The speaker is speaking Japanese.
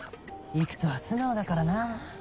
偉人は素直だからな。